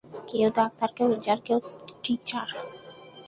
কেউ ডাক্তার, কেউ ইঞ্জিনিয়ার, কেউ টিচার।